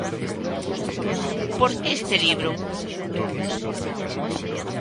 Por que este libro?